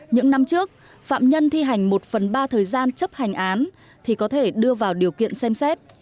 những năm trước phạm nhân thi hành một phần ba thời gian chấp hành án thì có thể đưa vào điều kiện xem xét